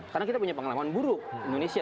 karena kita punya pengalaman buruk di indonesia